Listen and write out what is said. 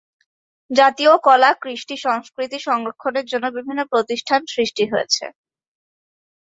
জাতীয় কলা-কৃষ্টি-সংস্কৃতি সংরক্ষণের জন্য বিভিন্ন প্রতিষ্ঠান সৃষ্টি হয়েছে।